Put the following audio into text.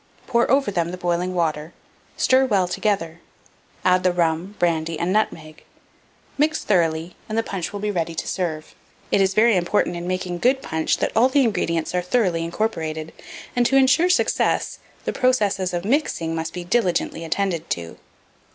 Pour over them the boiling water, stir well together, add the rum, brandy, and nutmeg; mix thoroughly, and the punch will be ready to serve. It is very important in making good punch that all the ingredients are thoroughly incorporated; and, to insure success, the processes of mixing must be diligently attended to.